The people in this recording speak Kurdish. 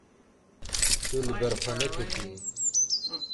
Tu li ber xwe neketiyî.